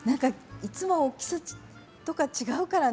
いつもと大きさとか違うからね。